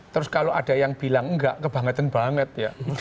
terus kalau ada yang bilang enggak kebangetan banget ya